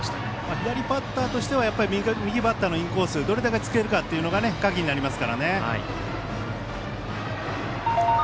左ピッチャーとしては右バッターのインコースどれだけ突けるかというのが鍵になりますから。